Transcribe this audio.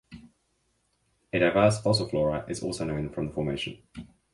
A diverse fossil flora is also known from the formation.